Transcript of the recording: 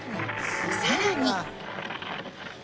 さらに。